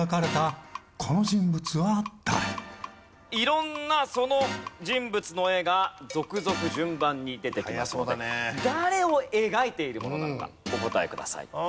色んなその人物の絵が続々順番に出てきますので誰を描いているものなのかお答えください。